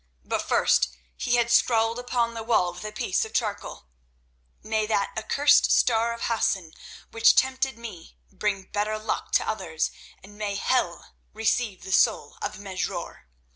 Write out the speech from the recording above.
But first he had scrawled upon the wall with a piece of charcoal: "May that accursed Star of Hassan which tempted me bring better luck to others, and may hell receive the soul of Mesrour."